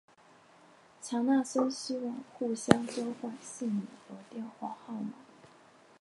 强纳森希望互相交换姓名和电话号码。